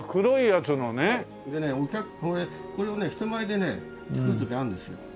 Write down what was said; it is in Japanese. でねこれを人前でね作る時があるんですよ。